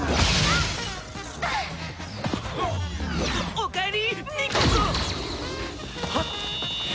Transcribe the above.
おかえり。